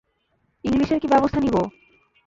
ইংলিশের কী ব্যবস্থা নিব?